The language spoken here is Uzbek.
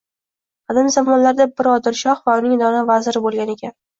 Qadim zamonlarda bir odil shoh va uning dono vaziri o‘tgan ekan.